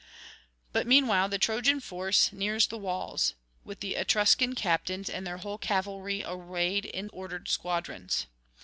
But meanwhile the Trojan force nears the walls, with the Etruscan captains and their whole cavalry arrayed in ordered squadrons.